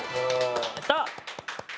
やった！